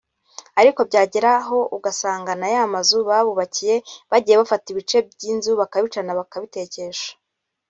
ariko byagera aho ugasanga na ya mazu babubakiye bagiye bafata ibice by’inzu bakabicana bakabitekesha